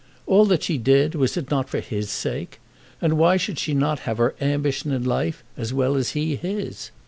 All that she did, was it not for his sake? And why should she not have her ambition in life as well as he his?